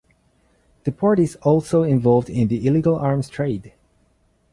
The port is also involved in the illegal arms trade.